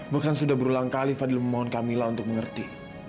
bahkan sudah berulang kali fadli memohon camilla untuk mengerti